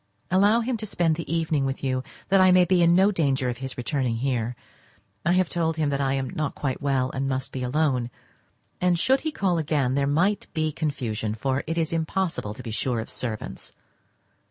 Allow him to spend the evening with you, that I may be in no danger of his returning here. I have told him that I am not quite well, and must be alone; and should he call again there might be confusion, for it is impossible to be sure of servants.